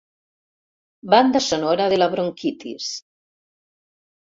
Banda sonora de la bronquitis.